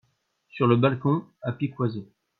Sur le balcon, à Piquoiseau.